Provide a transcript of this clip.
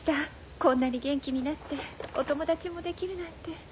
こんなに元気になってお友達もできるなんて。